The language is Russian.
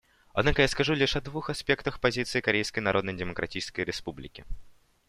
Однако я скажу лишь о двух аспектах позиции Корейской Народно-Демократической Республики.